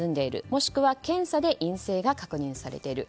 もしくは検査で陰性が確認されている。